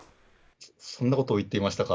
そんなことを言っていましたか。